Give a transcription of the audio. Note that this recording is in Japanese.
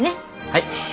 はい。